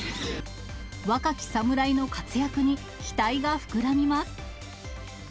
若き侍の活躍に期待が膨らみます。